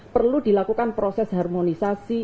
perlu dilakukan proses harmonisasi